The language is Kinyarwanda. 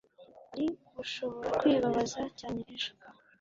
wari gushobora kwibabaza cyane ejo